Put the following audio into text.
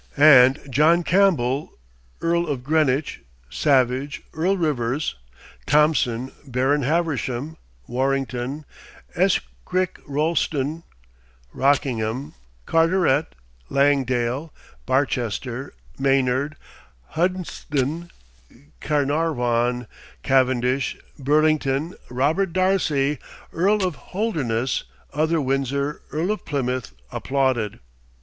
And John Campbell, Earl of Greenwich; Savage, Earl Rivers; Thompson, Baron Haversham; Warrington, Escrick Rolleston, Rockingham, Carteret, Langdale, Barcester, Maynard, Hunsdon, Cäernarvon, Cavendish, Burlington, Robert Darcy, Earl of Holderness, Other Windsor, Earl of Plymouth, applauded.